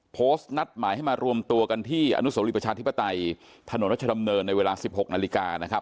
โพสต์นัดหมายให้มารวมตัวกันที่อนุโสรีประชาธิปไตยถนนรัชดำเนินในเวลา๑๖นาฬิกานะครับ